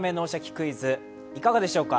クイズ」、いかがでしょうか。